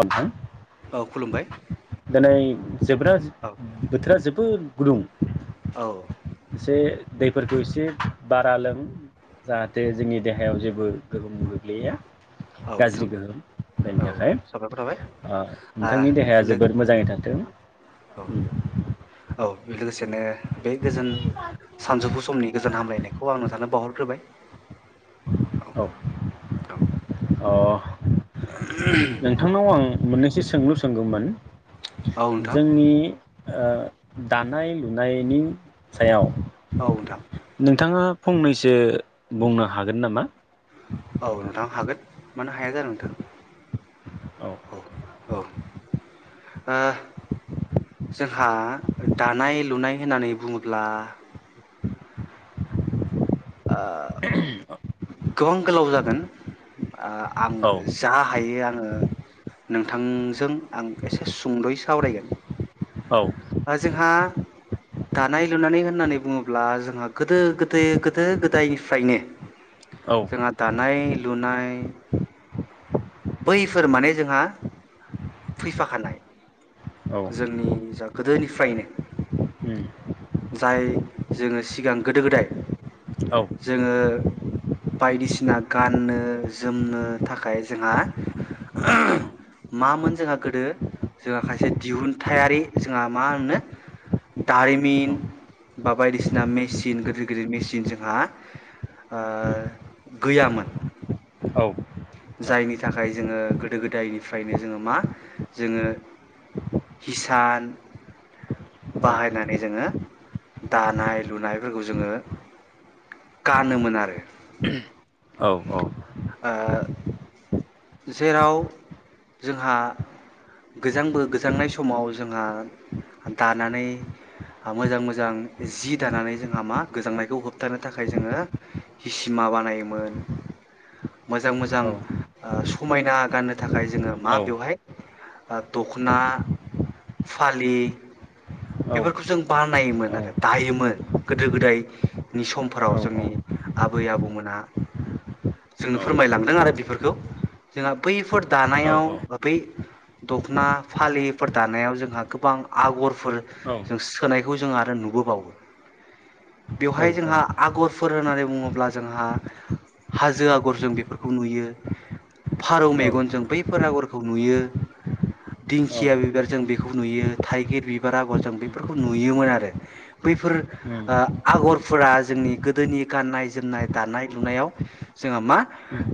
आ औ खुलुमबाय दिनै जोब्रा औ बोथोरा जोबोद गुदुं औ एसे दैफोरखौ एसे बारा लों जाहाथे जोंनि देहायाव जेबो गोहोम गोग्लैया। औ गाज्रि नोंथां गोहोम द औ औ थाखाय साबायखर थाबाय ओ आ नोंथांनि देहाया लोगो जोबोद मोजाङै थाथों। औ औ लोगोसेनो बे गोजोन सानजौफु समनि गोजोन हामलायनायखौ आं नोंथांनो बावहरग्रोबाय औ औ अ नोंथांनाव आं मोननैसो सोंलु सोंगौमोन। औ नोंथां जोंनि ओ दानाय लुनायनि सायाव औ नोंथां नोंथाङा फंनैसो बुंनो हागोन नामा औ नोंथां हागोन मानो हाया जानो नोंथां औ औ औ ओ जोंहा दानाय लुनाय होननानै बुङोब्ला ओ गोबां गोलाव जागोन। आ आङो औ जा हायो आं ङो नोंथांजों आं एसे सुंद'यै सावरायगोन। औ ओ जोंहा दानाय लुनानै होननानै बुङोब्ला जोंहा गोदो गोदो गोद दो गोदायनिफ्रायनो औ जोंहा दाद नाय लुनाय बैफोर माने जोंहा फैफाखानाय। औ जोंनि जा गोदोनिफ्रायनो उम जाय जोङो सिगां गोदो गोदाय औ जोङो बायदिसिना गाननो जोमनो थाखाय जोंहा मामोन जोंहा गोदो जोंहा खायसे दिहुनथायारि जोंहा मा होनो औ नोंथां औ दारिमिन बा बायदिसिना मेचिन गोदोर गोदोर मेसिन जोंहा गैयामोन। जायनि थाखाय जोङो गोदो गोदायनिफ्रायनो जोङो मा जोङो हिसान बाहायनानै जोङो दानाय लुनायफोरखौ जोङो गानोमोन आरो। ओ जेराव जोंहा गोजांबो गोजांनाय समाव जोंहा दानानै मोजां मोजां जि दानानै जोंहा मा गोजांनायखौ होबथानो थाखाय जोङो हिसिमा बानायोमोन मोजां मोजां ओ समायना गाननो थाखाय जोङो मा बेवहाय दख'ना फालि बेफोरखौ जों बानायोमोन आरो दायोमोन गोदो गोदायनि समफोराव जोंनि आबै आबौमोना जोंनो फोरमायलांदों आरो बेफोरखौ। जोंहा बैफोर दानायाव बै दख'ना फालिफोर दानायाव जोंहा गोबां आगरफोर जों सोनायखौ जों आरो नुबोबावो। बेवहाय जोंहा आगर फोर होननानै बुङोब्ला जोंहा हाजो आगर जों बेफोरखौ नुयो फारौ औ मेगनजों बैफोर आगरखौ नुयो दिंखिया बिबारजों बेखौ नुयो थाइगिर बिबार आगरजों बेफोरखौ नुयोमोन आरो बैफोर ओ आगरफोरा जोंनि गोदोनि गाननाय जोमनाय दानाय लुनायाव जोंहा मा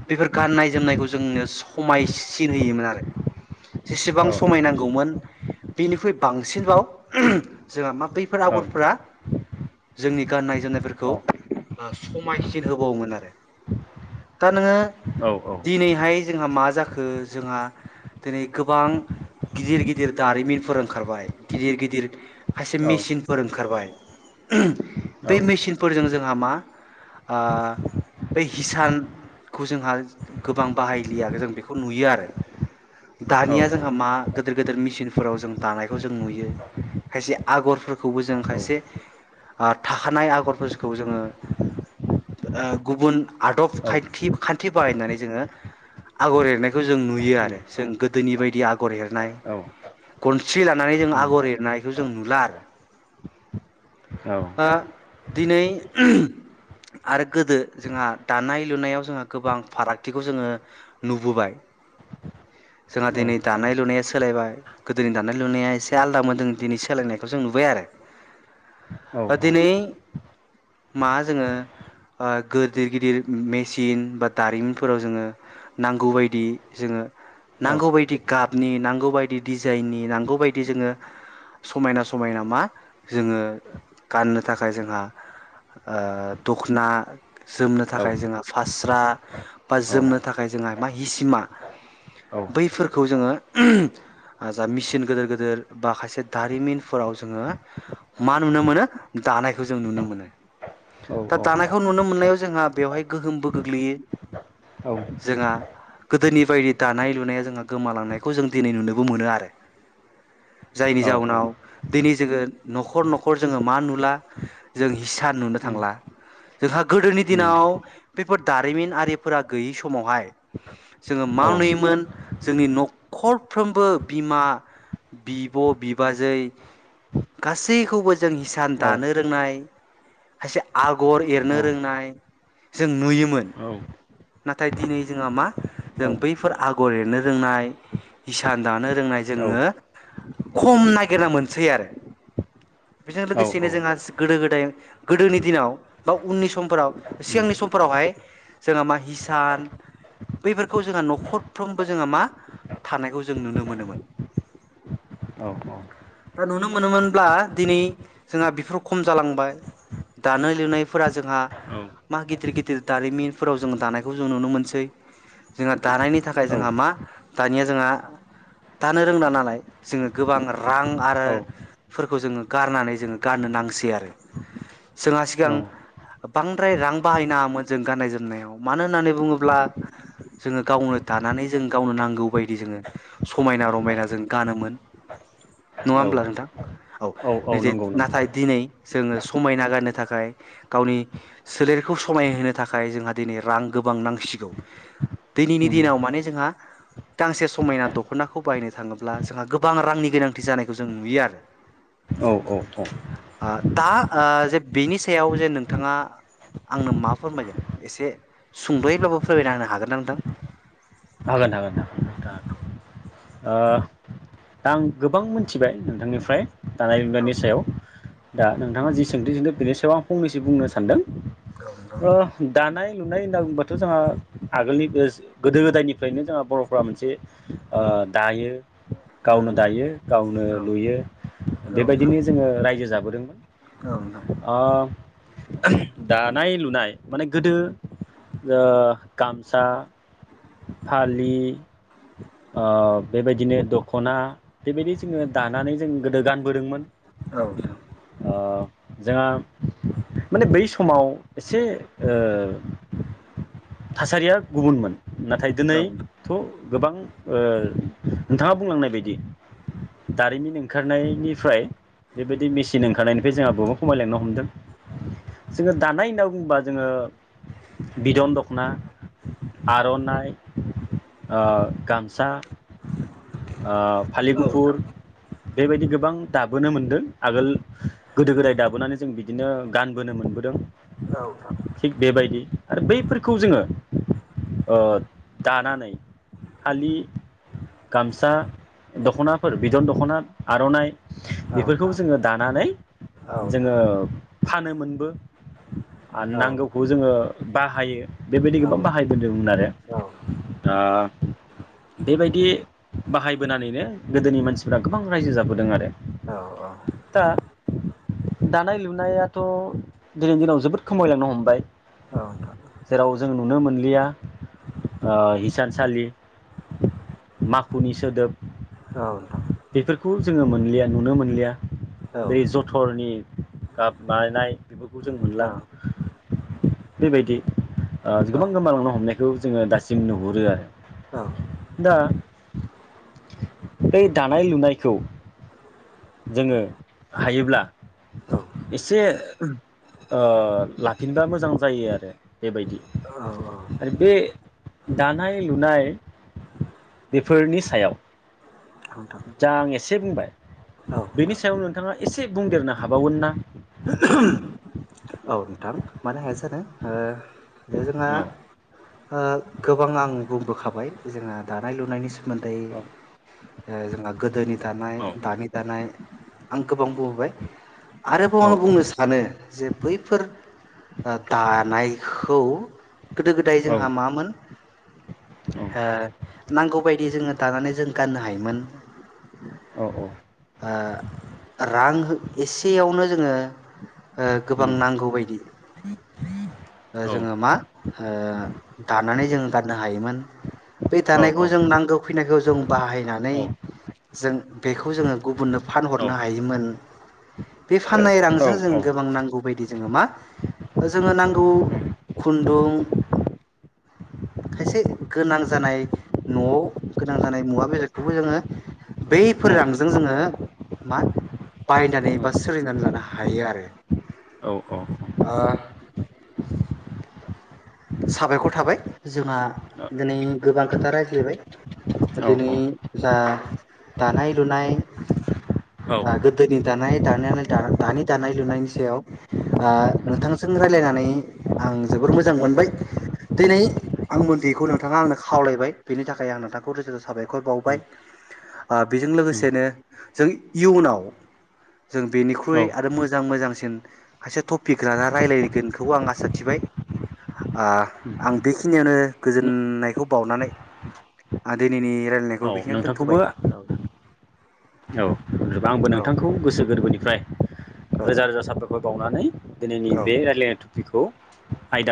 बेफोर गाननाय जोमनाय खौ जोंनो समायसिन होयोमोन आरो जेसेबां समाय नांगौमोन बेनिख्रुइ बांसिनबाव जोंहा मा बैफोर औ उम आगरफोरा जोंनि गाननाय जोमनायफोरखौ समायसिन होबावोमोन आरो दा नोङो औ दिनैहाय जोंहा मा जाखो जोंहा दिनै गोबां गिदिर गिदिर दारिमिनफोर ओंखारबाय गिदिर गिदिर खायसे मेचिनफोर ओंखारबाय बै औ मेचिनफोरजों जोंहा मा ओ बै हिसानखौ जोंहा गोबां बाहायलिया जों बेखौ नुयो आरो दानिया जोंहा मा गोदोर गोदोर मेसिनफोराव जों दानायखौ जों नुयो खायसे आगरफोरखौबो औ जों खायसे ओ थाखानाय आगरफोरखौ जोङो ओ गुबुन आदब खायथि खान्थि बाहायनानै जोङो आगर एरनायखौ जों नुयो आरो जों गोदोनि बायदि आगर एरनाय औ उम औ उम औ गनसि लानानै जों आगर एरनायखौ जों नुला आरो ओ दिनै आरो गोदो जोंहा दानाय-लुनायाव जोंहा गोबां फाराग थिखौ जोङो नुबोबाय जोंहा दिनै दानाय लुनाया सोलायबाय गोदोनि दानाय लुनाया एसे आलदा मोन जों दिनै सोलायनायखौ जों नुबाय आरो। औ उम दिनै मा जोङो गोदिर ओ गिदिर मेचिन बा दारिमिन फोराव जोङो नांगौबायादि जोङो नांगौबायायदि गाबनि नांगौ बायदि डिजाइननि नांगौ बायदि जोङो समायना समायना मा जोङो गाननो थाखाय जोंहा ओ दख'ना जोमनो थाखाय उम जोंहा फा स्रा बा जोमनो थाखाय जोंहा मा हिसिमा बैफोरखौ जोङो जा मिसिन गोदोर गोदोर बा खायसे दारिमिनफोराव जोङो मा नुनो मोनो दानायखौ जों नुनो मोनो औ दा दानायखौ नुनो मोननायाव जोंहा बेवहाय गोहोमबो गोग्लैयो। औ जोंहा गोदोनि बायदि दानाय लुनाया जोंहा गोमालांनायखौ जों दिनै नुनोबो मोनो आरो। जायनि जाउनाव औ दिनै जोङो न'खर न'खर जोङो मा नुला जों इसान नुनो थांला जोंहा गोदोनि दिनाव बे फोर दारिमिन आरि फोरा गैयि समावहाय जोङो मा नुयोमोन जोंनि न'खरफ्रोमबो बिमा बिब' बिबाजै गासैखौबो जों हिसान दानो रोंनाय खायसे आगर एरनो रोंनाय जों नुयोमोन। नाथाय दिनै जोंहा मा जों बैफोर आगर एरनो रोंनाय इसान दानो रोंनाय जोङो खम नागिरना मोनसै आरो बेजों औ औ लोगोसेनो जोंहा गोदो गोदाय गोदोनि दिनाव बा उननि समफोराव औ सिगांनि समफोरावहाय जोंहा मा हिसान बैफोरखौ जोंहा न'खरफ्रोमबो जोंङो मा थानायखौ जों नुनो मोनोमोन दा नुनो मोनोमोनब्ला दिनै जोंहा बेफोराव खम जालांबाय दानाय लुनायफोरा जोंहा मा गिदिर गिदिर दारिमिनफोराव जों दानाय खौ जों नुनो मोनसै जोंहा दानायनि थाखाय जोंहा मा दानिया जोंहा दानो रोंला नालाय जोंङो गोबां रां आरोफोरखौ जोंङो गारनानै जोंङो गारनो नांसै आरो जोंहा सिगां बांद्राय रां बाहायनाङामोन जों गाननाय जोमनायाव । मानो होननानै बुंङोब्ला जोंङो गावनो दानानै जों गावनो नांगौ बायदि जोङो समायना रमायना जों गानोमोन । नंङा होमब्ला नोंथां औ नै दि नंगौ नंगौ नाथाय दिनै जोंङो समायना गारनो थाखाय गावनि सोलेरखौ समायहोनो थाखाय जोंहा दिनै रां गोबां नांसिगौ दिनैनि दिनाव माने जोंहा गांसे समायना दख'नाखौ बायनो थांङोब्ला जोंहा गोबां रांनि गोनांथि जानायखौ जों नुयो आरो। औ औ औ दा आ जे बेनि सायाव जे नोंथाङा आंनो मा फोरमायगोन? एसे सुंद'यैब्लाबो फोरमायना होनो हागोन ना नोंथां? हागोन हागोन नोंथां हागोन ओ दा आं गोबां मोन्थिबाय नोंथांनिफ्राय दानाय लुनायनि सायाव दा नोंथांङा जि सोंथि सोंदों बेनि सायाव आं फंनैसो बुंनो सानदों नोंथां । ओ दानाय लुनाय होनना बुंङोबाथ' जोंहा आगोलनि बोस गोदो गोदायनि निफ्रायनो जोंहा बर'फ्रा मोनसे ओ दायो। गावनो दायो गावनो लुयो औ नोंथां बेबायदिनो जोंङो रायजो जा बोदों औ नोंथां ओ दानाय लुनाय माने गोदो ओ गामसा फालि ओ बेबायदिनो दख'ना बेबायदि जोंङो दानानै जों गोदो गानबोदोंमोन। औ नोंथां। ओ जोंहा माने बै समाव एसे ओ थासारिया गुबुनमोन । नाथाय दिनैथ' गोबां ओ नोंथांङा बुंलांनाय बायदि दारिमिन ओंखारनायनिफ्राय बेबायदि मेसिन ओंखारनायनिफ्राय जोंहा बहुद खमायलांनो हमदों जोंङो दानाय होनना बुंङोबा जोंङो बिदन दख ना आर'नाइ ओ गामसा ओ फालिगुफुर नोंथां बेबायदि गोबां दाबोनो मोनदों आगोल गोदो गोदाय दाबोनानै जों बिदिनो गानबोनो मोनबोदों औ नोंथां । थिक बेबायदि आरो बैफोर खौ जोंङो ओ दानानै फालि गामसा दख'नाफोर बिदन दख'ना आर'नाइ औ बेफोरखौ नोंथां। जोंङो दानानै औ नोंथां जोंङो फानोमोनबो आरो औ औ नांगौखौ जोंङो बाहायो बेबायदि गोबां बाहायबोदोंमोन आरो औ दा ओ बेबायदि बाहायबोनानैनो गोदोनि मानसिफ्रा गोबां रायजो जाबोदों आरो औ औ दा दानाय लुनायाथ' दिनैनि दिनाव जोबोद खमायलांनो हमबाय औ नोंथां जेराव जों नुनो मोनलिया ओ हिसानसालि माखुनि सोदोब औ नोंथां बेफोरखौ जोङो मोनलिया नुनो मोनलिया औ बै जथरनि गाब बानायनाय बेफोरखौ जों औ मोनला औ बेबायदि ओ गोबां गोमालांनो हमनाय खौ जोङो दासिम नुहुरो नोंथां औ आरो दा बै दानाय लुनायखौ जोङो हायोब्ला एसे ओ लाफिनबा मोजां जायो आरो बेबायदि आरो बे दानाय लुनाय बेफोरनि सायाव नोंथां जा आं एसे बुंबाय बेनि सायाव नोंथाङा एसे दे बुंदेरनो हाबावगोन ना औ नोंथां मानो हाया जानो ओ ओ जोंहा औ ओ गोबां आं बुंबोखाबाय जोंहा दानाय लुनायनि सा मोनथै औ दा जोंहा गोदोनि औ उम औ उम औ दानाय दानि दानाय आं गोबां बुंबोबाय आ बुं आं बुंनो सानो जे बैफोर दानायखौ गोदो गोदाइ जोंहा मामोन ओ नांगौबायदि जोंओ दानानै जों गाननो हायोमोन ओ रां हो एसेयावनो जोङो ओ गोबां नांगौ बायदि ओ जोङो मा ओ दानानै जोङो गाननो हायोमोन। बे दानायखौ जों नांगौ खिनाखौ जों बाहायनानै जों बेखौ जोङो गुबुननो फानहरनो हायोमोन। बे फाननाय रांजों जों गोबां नांगौ बायदि जोङो मा जोङो नांगौ खुन्दुं खायसे गोनां जानाय न'वाव गोनां जानाय मुवा बेसादखौबो जोङो बैफोर उम रांजों जोङो मा बायनानै बा सोलिनानै लानो हायो आरो। औ औ ओ साबायखर थाबाय जोंहा दिनै गोबां खोथा रायज्लायबाय। दिनै दा दानाय लुनाय, ओ गोदोनि दानाय दानायानो दा दानि दानाय लुनायनि सायाव आ नोंथांजों रायलायनानै आं जोबोर मोजां मोनबाय। दिनै आं मोनथियैखौ नोंथाङा आंनो खावलायबाय बेनि थाखाय आं नोंथांखौ रोजा रोजा साबायखर बावबाय आ बेजों लोगोसेनो जों इयुनाव जों उम औ बेनिख्रुइ आरो मोजां मोजां सिन खायसे टपिक राना रायलायगोनखौ आं आसा थिबाय। आ आं बेखिनियावनो गोजोननायखौ बावनानै आं दिनैनि रायलायनायखौ बेखिनियावनो दोनथ'बाय औ। आंबो औ नोंथांखौ गोसो गोरबोनिफ्राय रोजा रोजा साबायखर बाव नानै दिनैनि औ बे रायलायनाय पिकखौ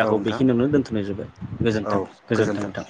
औ नोंथां बेखिनियावनो दोन्थ'नाय जोबबाय गोजोन्थों गोजोन्थों नोंथां।